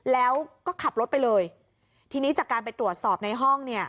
แล้วก็ขับรถไปเลยทีนี้จากการไปตรวจสอบในห้องเนี่ย